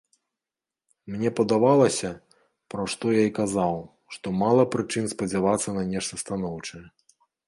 Мне падавалася, пра што я і казаў, што мала прычын спадзявацца на нешта станоўчае.